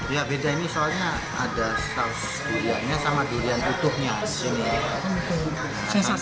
ya beda ini soalnya ada saus duriannya sama durian utuhnya